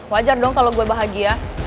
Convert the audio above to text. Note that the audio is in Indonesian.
wajar dong kalau gue bahagia